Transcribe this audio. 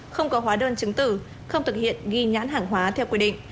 không có hóa đơn chứng tử không thực hiện ghi nhãn hàng hóa theo quy định